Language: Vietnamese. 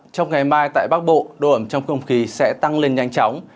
trong ngày mai tại bắc bộ độ ẩm trong không khí sẽ tăng lên nhanh chóng